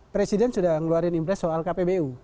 presiden sudah ngeluarin impres soal kpbu